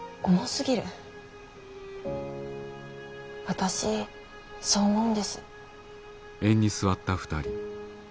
私そう思うんです。